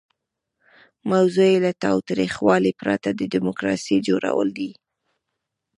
موضوع یې له تاوتریخوالي پرته د ډیموکراسۍ جوړول دي.